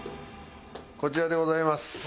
こちらでございます。